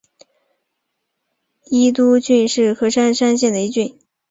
伊都郡是和歌山县的一郡。